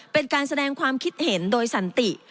เป็นการแสดงความคิดเห็นโดยสันติ